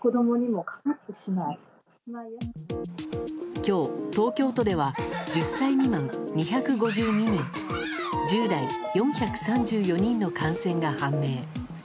今日、東京都では１０歳未満２５２人１０代、４３４人の感染が判明。